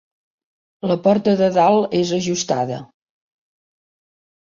La porta de dalt és ajustada.